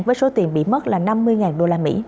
với số tiền bị mất là năm mươi usd